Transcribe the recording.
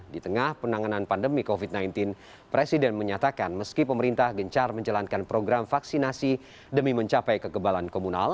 di tengah penanganan pandemi covid sembilan belas presiden menyatakan meski pemerintah gencar menjalankan program vaksinasi demi mencapai kekebalan komunal